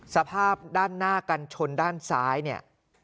สภาพด้านหน้ากันชนด้านซ้ายเนี่ย